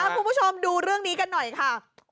คุณผู้ชมดูเรื่องนี้กันหน่อยค่ะ